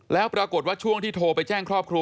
แล้วปรากฏว่าช่วงที่โทรไปแจ้งครอบครัว